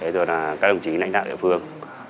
rồi các đồng chí lãnh đạo địa phương